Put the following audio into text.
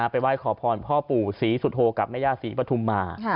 ไปไหว้ขอพรพ่อปู่ศรีสุโธกับแม่ย่าศรีปฐุมมา